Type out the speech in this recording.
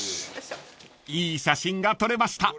［いい写真が撮れました